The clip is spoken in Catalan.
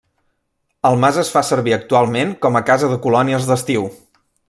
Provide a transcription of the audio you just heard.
El mas es fa servir actualment com a casa de colònies d'estiu.